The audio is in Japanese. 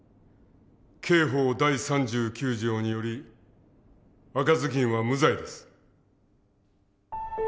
刑法第３９条により赤ずきんは無罪です。